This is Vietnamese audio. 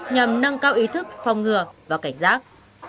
nhằm nâng cao ý thức phòng ngừa và cảnh giác